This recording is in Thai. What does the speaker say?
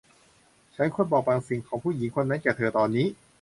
ฉันควรบอกบางสิ่งของผู้หญิงคนนั้นแก่เธอตอนนี้